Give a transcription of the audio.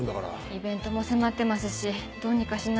イベントも迫ってますしどうにかしないと。